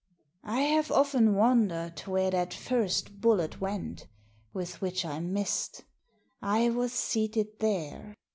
"I have often wondered where that first bullet went with which I missed. I was seated there.